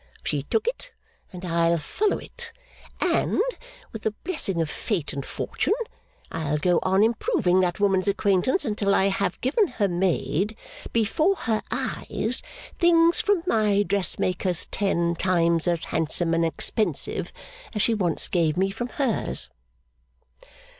She took it, and I'll follow it. And, with the blessing of fate and fortune, I'll go on improving that woman's acquaintance until I have given her maid, before her eyes, things from my dressmaker's ten times as handsome and expensive as she once gave me from hers!